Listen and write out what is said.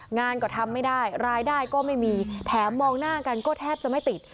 งานก็ทำไม่ได้รายได้ก็ไม่มีแถมมองหน้ากันก็แทบจะไม่ติด